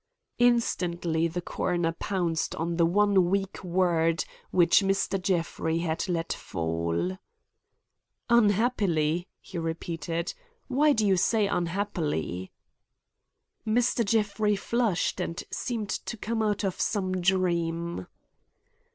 Instantly the coroner pounced on the one weak word which Mr. Jeffrey had let fall. "Unhappily?" he repeated. "Why do you say, unhappily?" Mr. Jeffrey flushed and seemed to come out of some dream.